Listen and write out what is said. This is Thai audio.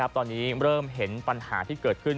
ตอนนี้เริ่มเห็นปัญหาที่เกิดขึ้น